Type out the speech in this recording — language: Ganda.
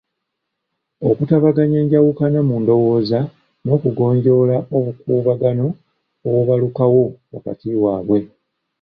Okutabaganya enjawukana mu ndowooza n'okugonjoola obukuubagano obubalukawo wakati waabwe.